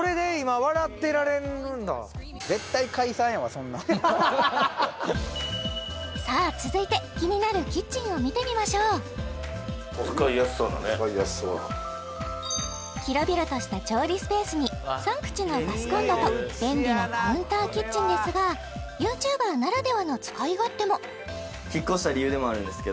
そういやさあ続いて気になるキッチンを見てみましょう使いやすそうな広々とした調理スペースに３口のガスコンロと便利なカウンターキッチンですがＹｏｕＴｕｂｅｒならではの使い勝手もカウンターキッチンなんで動画撮りやすいんですよ